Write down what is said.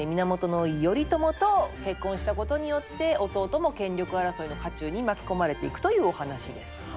源頼朝と結婚したことによって弟も権力争いの渦中に巻き込まれていくというお話です。